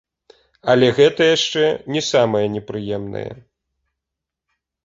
Але гэта яшчэ не самае непрыемнае.